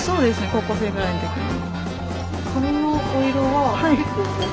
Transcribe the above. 高校生ぐらいのときに。